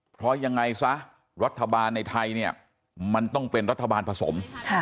เพราะยังไงซะรัฐบาลในไทยเนี่ยมันต้องเป็นรัฐบาลผสม